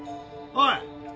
おい！